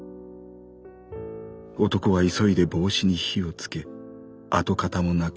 男は急いで帽子に火をつけ跡形もなく燃やした。